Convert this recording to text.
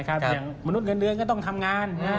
อย่างมนุษย์เงินเดือนก็ต้องทำงาน